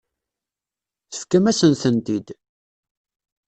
Tefkam-asen-tent-id.